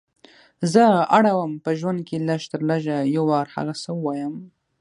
زه اړه وم په ژوند کې لږ تر لږه یو وار هغه څه ووایم.